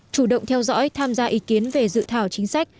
chủ động theo dõi tham gia ý kiến về dự thảo chính sách